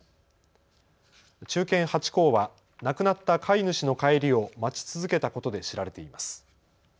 忠犬ハチ公は亡くなった飼い主の帰りを待ち続けたことで知られています。